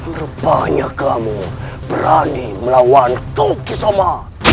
merupanya kamu berani melawan koki soma